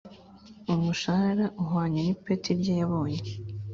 umushahara uhwanye nipeti rye yabonye